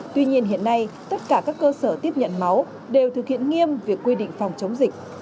tuy nhiên hiện nay tất cả các cơ sở tiếp nhận máu đều thực hiện nghiêm việc quy định phòng chống dịch